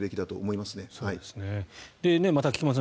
また菊間さん